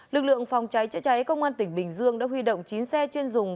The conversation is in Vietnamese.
lực lượng phòng cháy chữa cháy công an tỉnh bình dương đã huy động chín xe chuyên dùng